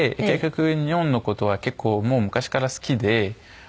結局日本の事は結構もう昔から好きで。